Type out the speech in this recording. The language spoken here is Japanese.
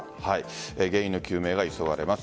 原因究明が急がれます。